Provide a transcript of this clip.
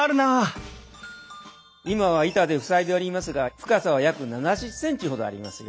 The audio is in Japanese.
今は板で塞いでおりますが深さは約７０センチほどありますよ。